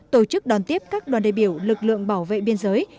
tổ chức đón tiếp các đoàn đề biểu lực lượng bảo vệ biên giới